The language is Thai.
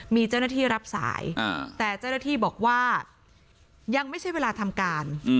มีเจ้าหน้าที่รับสายแต่เจ้าหน้าที่บอกว่ายังไม่ใช่เวลาทำการ